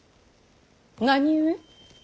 何故？